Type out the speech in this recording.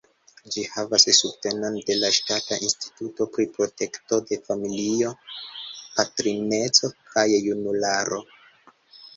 Ĝi havas subtenon de la Ŝtata Instituto pri Protekto de Familioj, Patrineco kaj Junularo.